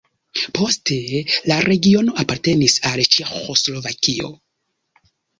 Poste la regiono apartenis al Ĉeĥoslovakio.